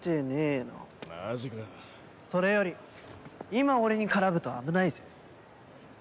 それより今俺に絡むと危ないぜ。